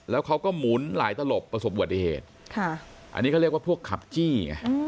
แล้วเขาก็หมุนหลายตลบประสบอุบัติเหตุอันนี้ก็เรียกว่าพวกขับจี้ไง